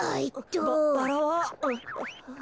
バラは？あ。